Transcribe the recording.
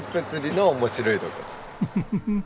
フフフフッ。